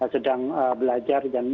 sedang belajar dan